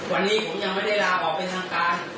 วันนี้ผมยังไม่ได้ลาออกเป็นทางการ